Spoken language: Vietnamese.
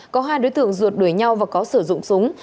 có hai đối tượng ruột đuổi nhau và có sử dụng súng